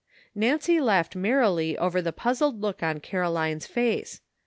Nancy laughed merrily over the puzzled look on Caroline's face.